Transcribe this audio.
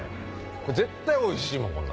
これ絶対おいしいもんこんな。